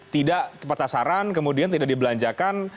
tidak kepesasaran kemudian tidak dibelanjakan